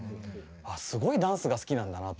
すごいダンスが好きなんだなと。